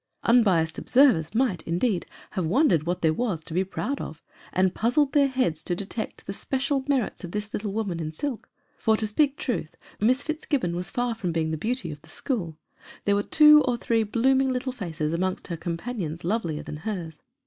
Unbiassed observers might, indeed, have wondered what there was to be proud of, and puz zled their heads to detect the special merits of this little woman in silk for, to speak truth, Miss Fitzgibbon was far from being the beauty of the school : there were two or three blooming little faces amongst her companions lovelier than hers.